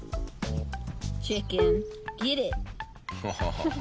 ハハハハ。